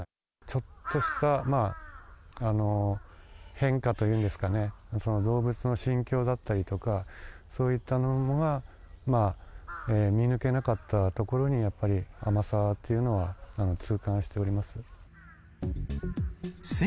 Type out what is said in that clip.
ちょっとした変化というんですかね、動物の心境だったりとか、そういったものが見抜けなかったところに、やっぱり甘さというのは痛感しております。